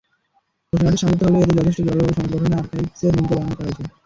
ঘোষণাটি সংক্ষিপ্ত হলেও এতে যথেষ্ট জোরালোভাবে সমাজ গঠনে আর্কাইভসের ভূমিকা বর্ণনা করা হয়েছে।